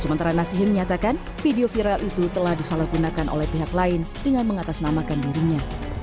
sementara nasihin menyatakan video viral itu telah disalahgunakan oleh pihak lain dengan mengatasnamakan dirinya